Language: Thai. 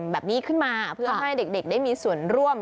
แบบนี้ขึ้นมาเพื่อให้เด็กได้มีส่วนร่วม